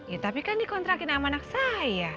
ya tapi kan dikontrakin sama anak saya